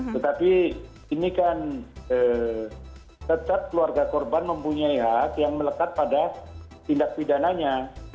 tetapi ini kan tetap keluarga korban mempunyai hak yang melekat pada tindak pidananya